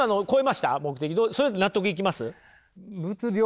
目的それで納得いきます？